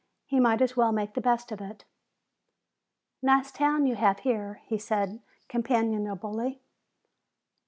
He might as well make the best of it. "Nice town you have here," he said companionably.